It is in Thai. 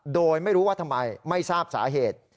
โดยไม่รู้ว่าทำไมไม่ทราบสาเหตุ